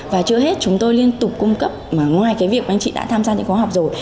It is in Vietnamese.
và trước hết chúng tôi liên tục cung cấp ngoài cái việc anh chị đã tham gia những khóa học rồi